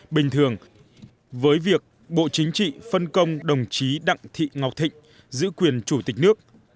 bình thường với việc bộ chính trị phân công đồng chí đặng thị ngọc thịnh giữ quyền chủ tịch nước